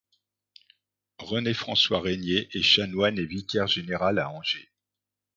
René-François Régnier est chanoine et vicaire général à Angers.